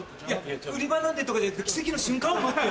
「売り場なんで」とかじゃなくて奇跡の瞬間を待ってんの。